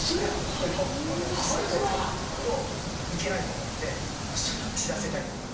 ・早っ・知らせないといけないと思って知らせたりとか。